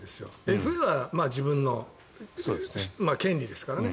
ＦＡは自分の権利ですからね。